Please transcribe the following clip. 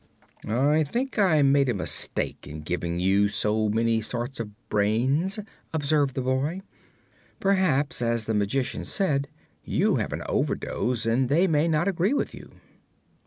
"I think I made a mistake in giving you so many sorts of brains," observed the boy. "Perhaps, as the Magician said, you have an overdose, and they may not agree with you."